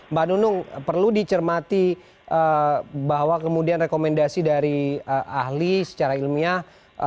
dan perlu dicermati bahwa kemudian rekomendasi dari ahli secara ilmiah